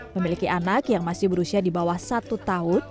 memiliki anak yang masih berusia di bawah satu tahun